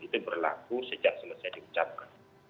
itu berlaku sejak selesai diucapkan